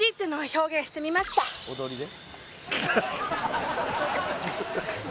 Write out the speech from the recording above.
「踊りで？」